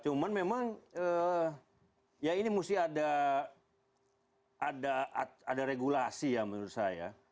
cuman memang ya ini mesti ada regulasi ya menurut saya